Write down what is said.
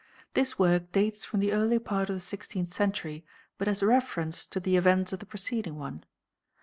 This work dates from the early part of the sixteenth century, but has reference to the events of the preceding one.